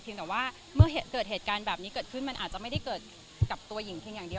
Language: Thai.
แต่ว่าเมื่อเกิดเหตุการณ์แบบนี้เกิดขึ้นมันอาจจะไม่ได้เกิดกับตัวหญิงเพียงอย่างเดียว